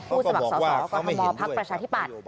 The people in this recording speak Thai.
ผู้สมัครสาวก็ทำมอบภักดิ์ประชาธิปัตย์